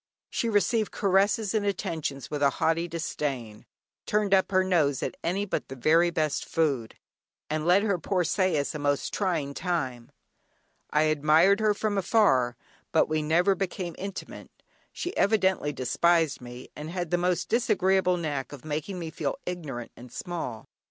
She received caresses and attentions with a haughty disdain, turned up her nose at any but the very best food, and led her poor sais a most trying time. I admired her from afar, but we never became intimate; she evidently despised me, and had the most disagreeable knack of making me feel ignorant and small.